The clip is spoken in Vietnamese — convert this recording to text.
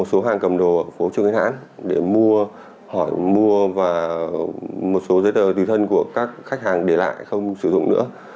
tôi đã tìm ra một số dây tờ của phố trương ánh hãn để mua hỏi mua và một số dây tờ từ thân của các khách hàng để lại không sử dụng nữa